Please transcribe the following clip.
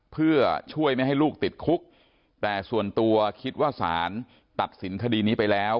เพื่อช่วยไม่ให้ลูกติดคุกแต่ส่วนตัวคิดว่าสารตัดสินคดีนี้ไปแล้ว